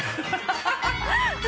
ハハハ